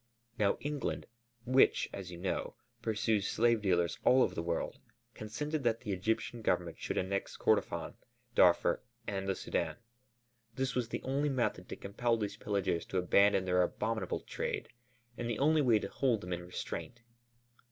Now England which, as you know, pursues slave dealers all over the world, consented that the Egyptian Government should annex Kordofân, Darfur, and the Sudân. This was the only method to compel these pillagers to abandon their abominable trade and the only way to hold them in restraint.